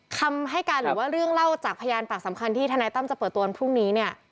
คำให้การหรือว่าเรื่องเล่าจากพยานปากสำคัญที่ทนายตั้มจะเปิดตัววันพรุ่งนี้เนี่ย